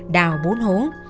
đảo bốn hố